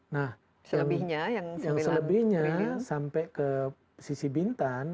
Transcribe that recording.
nah yang selebihnya sampai ke sisi bintan